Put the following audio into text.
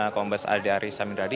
kombas adi arisya mindradi